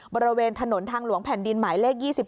บริเวณถนนทางหลวงแผ่นดินหมายเลข๒๓